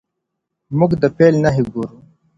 موږ د فیل نښې ګورو.